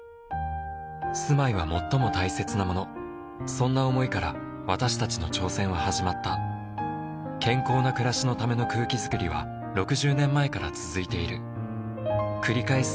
そんな想いから私たちの挑戦は始まった健康な暮らしのための空気づくりは６０年前から続いている繰り返す